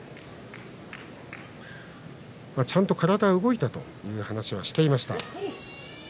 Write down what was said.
ちゃんと体は動いたという話はしていました。